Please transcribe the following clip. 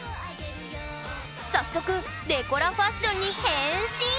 早速デコラファッションに変身！